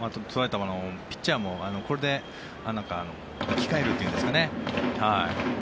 ピッチャーもこれで生き返るっていうんですかね。